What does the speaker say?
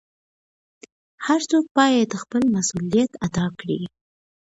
هر څوک بايد خپل مسووليت ادا کړي.